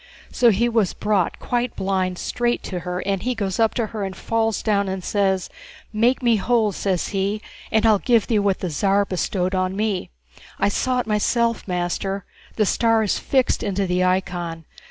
So he was brought, quite blind, straight to her, and he goes up to her and falls down and says, 'Make me whole,' says he, 'and I'll give thee what the Tsar bestowed on me.' I saw it myself, master, the star is fixed into the icon.